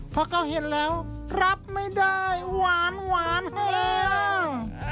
พอเขาเห็นแล้วรับไม่ได้หวานหวานให้แล้ว